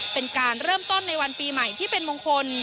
เป็นการเริ่มต้นในวันปีใหม่ที่เป็นมงคล